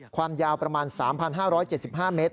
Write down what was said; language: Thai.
ความยาวประมาณ๓๕๗๕เมตร